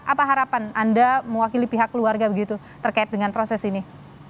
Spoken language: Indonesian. apa harapan anda mewakili pihak keluarga begitu terkait dengan proses ini